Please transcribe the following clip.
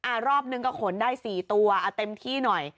อ่ะรอบหนึ่งก็ขนได้๔ตัวเต็มที่หน่อย